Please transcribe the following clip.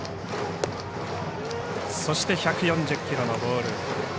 そして１４０キロのボール。